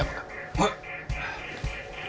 はい！